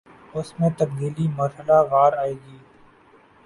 اس میں تبدیلی مرحلہ وار آئے گی